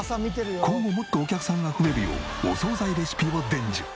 今後もっとお客さんが増えるようお惣菜レシピを伝授。